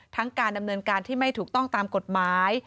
การดำเนินการที่ไม่ถูกต้องตามกฎหมาย